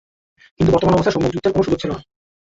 কিন্তু বর্তমান অবস্থায় সম্মুখ যুদ্ধের কোন সুযোগ ছিল না।